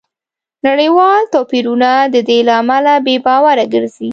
نړیوال توپیرونه د دې له امله بې باوره ګرځي